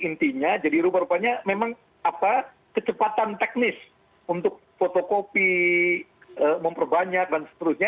intinya jadi rupa rupanya memang kecepatan teknis untuk fotokopi memperbanyak dan seterusnya